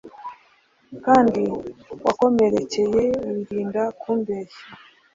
kandi wakomerekeyehe?wirinde kumbeshya